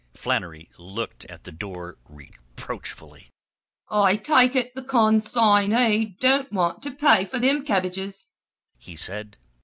Flannery looked at the door reproachfully. "I take ut the con sign y don't want to pay for thim kebbages," he said.